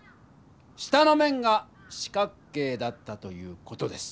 下の面が四角形だったという事です。